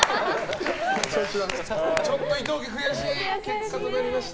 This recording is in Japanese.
ちょっと伊藤家悔しい結果となりました。